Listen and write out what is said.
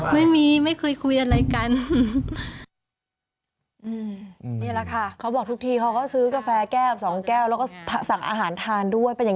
ไม่ได้มีปัญหาหรือเปล่าไม่มีไม่เคยคุยอะไรกัน